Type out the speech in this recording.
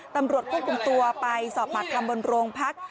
ตำรวจควบคุมตัวไปสอบปากคำบนโรงพัก